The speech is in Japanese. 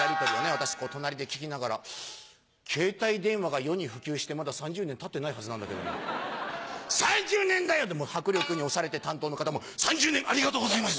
私隣で聞きながら「携帯電話が世に普及してまだ３０年たってないはずなんだけどな」。「３０年だよ！」って迫力に押されて担当の方も「３０年ありがとうございます」。